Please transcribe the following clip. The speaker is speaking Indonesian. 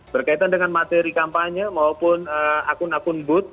berkaitan dengan materi kampanye maupun akun akun booth